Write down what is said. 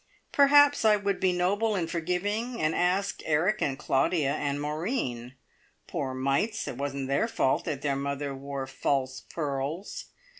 Perhaps I would be noble and forgiving and ask Eric and Claudia and Moreen. Poor mites, it wasn't their fault that their mother wore false pearls!